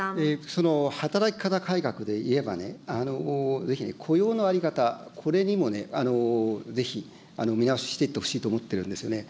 その働き方改革で言えばね、ぜひね、雇用の在り方、これにもぜひ見直ししていってほしいと思ってるんですよね。